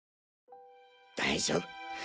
大丈夫。